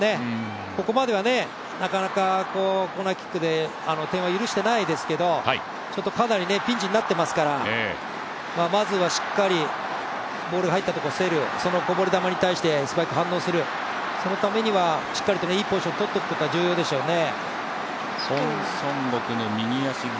ここまではなかなかコーナーキックで点は許していないですけど、ちょっとかなりピンチになってますからまずはしっかりボールが入ったとこで競る、そのこぼれ球に対して素早く反応する、そのためにはしっかりといいポジションとっておくことが重要でしょうね。